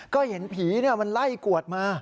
ก็เห็นผีมันไล่กวดมา